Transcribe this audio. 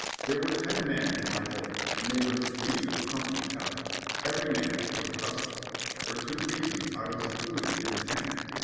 There were ten men in my boat, and they were the cream of Company L. Every man was a hustler. For two reasons I was included in the ten.